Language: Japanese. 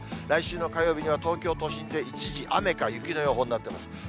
来週火曜日には東京都心で一時、雨か雪の予報になってます。